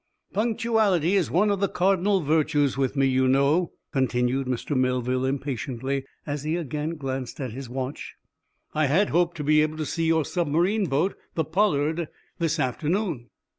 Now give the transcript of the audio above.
"Punctuality is one of the cardinal virtues with me, you know," continued Mr. Melville, impatiently, as he again glanced at his watch. "I had hoped to be able to see your submarine boat, the 'Pollard,' this afternoon."